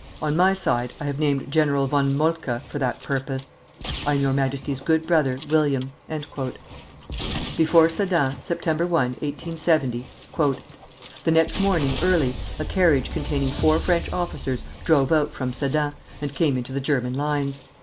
On my side I have named General von Moltke for that purpose. I am your Majesty's good brother, WILLIAM. Before Sedan, Sept. 1, 1870. "The next morning early, a carriage containing four French officers drove out from Sedan, and came into the German lines.